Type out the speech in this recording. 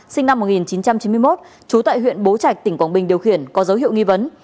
sinh năm một nghìn chín trăm chín mươi một trú tại huyện bố trạch tỉnh quảng bình điều khiển có dấu hiệu nghi vấn